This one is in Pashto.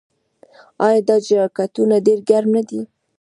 آیا دا جاکټونه ډیر ګرم نه دي؟